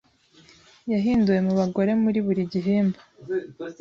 Yahinduwe mubagore muri buri gihimba